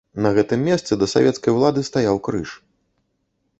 На гэтым месцы да савецкай улады стаяў крыж.